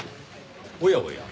おやおや。